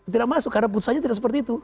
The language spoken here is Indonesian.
tidak masuk karena putusannya tidak seperti itu